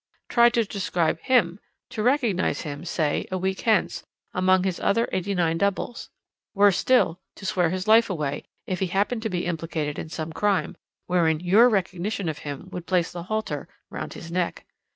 "Try to describe him, to recognize him, say a week hence, among his other eighty nine doubles; worse still, to swear his life away, if he happened to be implicated in some crime, wherein your recognition of him would place the halter round his neck.